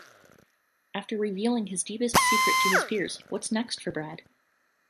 After revealing his deepest secret to his peers, what's next for Brad?